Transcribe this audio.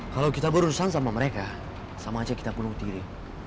kalau kita berurusan sama mereka sama aja kita bunuh diri